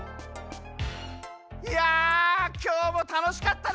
いやきょうもたのしかったな！